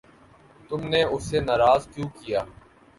تم نے اسے ناراض کیوں کیا؟